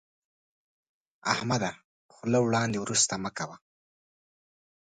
احمده، خوله وړاندې ورسته مه کوه.